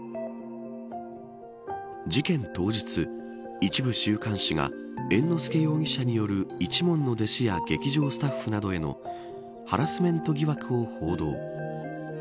事件当日、一部週刊誌が猿之助容疑者による一門の弟子や劇場スタッフなどへのハラスメント疑惑を報道。